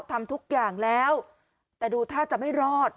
ทำทุกอย่างแล้วแต่ดูท่าจะไม่รอด